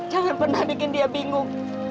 jangan pernah bikin dia bingung